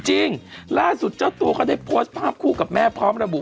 จริงล่าสุดเจ้าตัวเขาได้โพสต์ภาพคู่กับแม่พร้อมระบุ